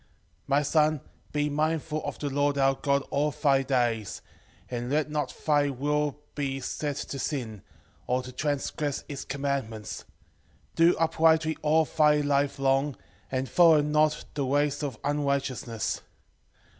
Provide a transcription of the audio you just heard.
4:5 My son, be mindful of the Lord our God all thy days, and let not thy will be set to sin, or to transgress his commandments: do uprightly all thy life long, and follow not the ways of unrighteousness.